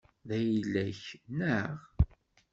D ayla-k, neɣ?